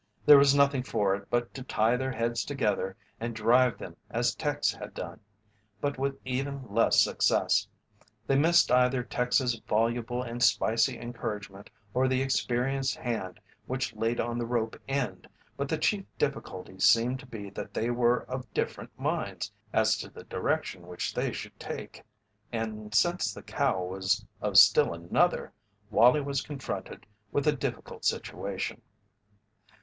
There was nothing for it but to tie their heads together and drive them as Tex had done, but with even less success. They missed either Tex's voluble and spicy encouragement or the experienced hand which laid on the rope end, but the chief difficulty seemed to be that they were of different minds as to the direction which they should take, and since the cow was of still another, Wallie was confronted with a difficult situation.